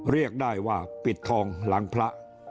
เรียกได้ว่าปิดทองหลังพระ